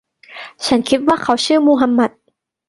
ฉันคิดว่าเขาชื่อมูฮัมหมัด